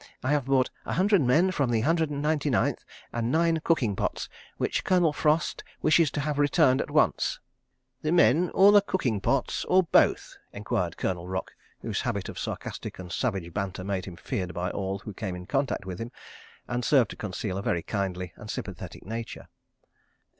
I have brought a hundred men from the Hundred and Ninety Ninth, and nine cooking pots—which Colonel Frost wishes to have returned at once. ..." "The men or the cooking pots, or both?" enquired Colonel Rock, whose habit of sarcastic and savage banter made him feared by all who came in contact with him, and served to conceal a very kindly and sympathetic nature.